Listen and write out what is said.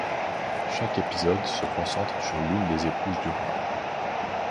Chaque épisode se concentre sur l'une des épouses du roi.